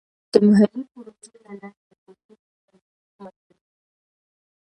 د محلي پروژو له لارې د کلتور د خوندیتوب مشورې کیږي.